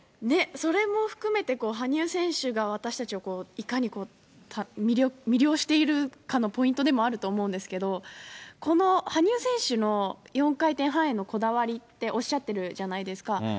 ね、それも含めて、羽生選手が私たちをいかに魅了しているかのポイントでもあると思うんですけど、この羽生選手の４回転半へのこだわりっておっしゃってるじゃないですか。